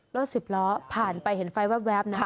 รถสิบล้อผ่านไปเห็นไฟแวลบ